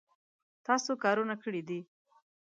تاسو کارونه کړي دي